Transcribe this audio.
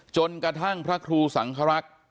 จนกระทั่งพระครูสังครักษ์